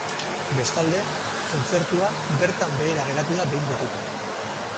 Bestalde, kontzertua bertan behera geratu da behin betiko.